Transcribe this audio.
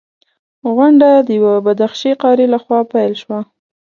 غونډه د یوه بدخشي قاري لخوا پیل شوه.